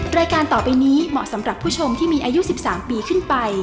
รายการต่อไปนี้เหมาะสำหรับผู้ชมที่มีอายุ๑๓ปีขึ้นไป